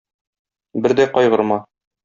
Бер дә кайгырма.